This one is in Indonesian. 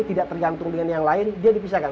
tidak tergantung dengan yang lain dia dipisahkan